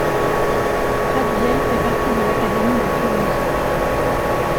Pratviel fait partie de l'académie de Toulouse.